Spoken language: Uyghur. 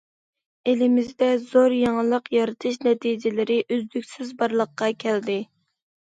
ئېلىمىزدە زور يېڭىلىق يارىتىش نەتىجىلىرى ئۈزلۈكسىز بارلىققا كەلدى.